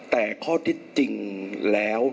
แต่ข้อที่จริงแล้ว